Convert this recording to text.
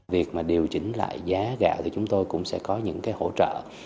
việc mà điều chỉnh lại giá gạo thì chúng tôi cũng sẽ có những cái hỗ trợ